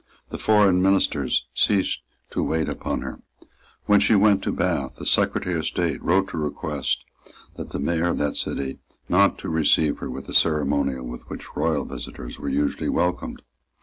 The foreign ministers ceased to wait upon her. When she went to Bath the Secretary of State wrote to request the Mayor of that city not to receive her with the ceremonial with which royal visitors were usually welcomed.